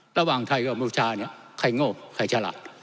ระหว่างไทยกับกัมพูชาใครโง่ใครฉลาด